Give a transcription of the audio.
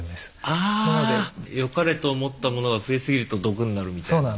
あぁ。よかれと思ったものが増えすぎると毒になるみたいな。